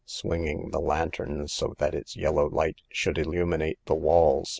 Swinging the lantern so that its yellow light should illumi nate the walls.